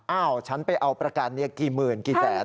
ฉันไปเอาประกันกี่หมื่นกี่แสน